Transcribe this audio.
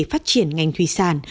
phát triển ngành thủy sản